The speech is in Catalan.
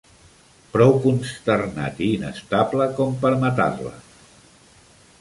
Prou consternat i inestable com per matar-la...